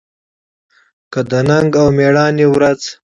کې د ننګ او مېړانې ورځ